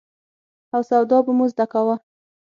او سواد به مو زده کاوه.